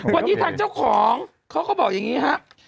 วันนี้ทางเจ้าของเขาก็บอกอย่างนี้ครับ